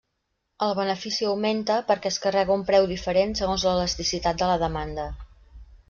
El benefici augmenta perquè es carrega un preu diferent segons l'elasticitat de la demanda.